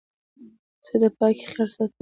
زه د پاکۍ خیال ساتم.